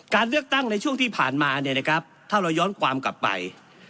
การเลือกตั้งในช่วงที่ผ่านมาเนี่ยนะครับถ้าเราย้อนความกลับไป